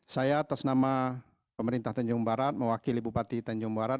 saya atas nama pemerintah tanjung barat mewakili bupati tanjung barat